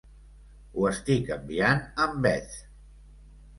Ho estic enviant amb Beth.